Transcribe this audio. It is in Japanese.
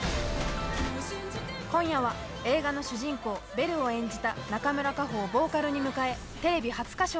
今夜は映画の主人公Ｂｅｌｌｅを演じた中村佳穂をボーカルに迎えテレビ初歌唱。